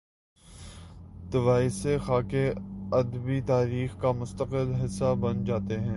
توایسے خاکے ادبی تاریخ کا مستقل حصہ بن جا تے ہیں۔